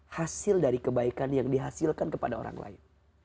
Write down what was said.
hasil dari kebaikan yang dihasilkan kepada orang lain